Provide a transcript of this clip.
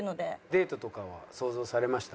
デートとかは想像されました？